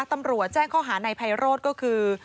ตำรวจแจ้งข้อหาในไพโรธก็คือ